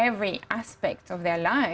setiap aspek hidup mereka